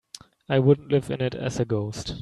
I wouldn't live in it as a ghost.